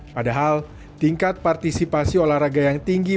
padahal tingkat partisipasi olahraga yang tinggi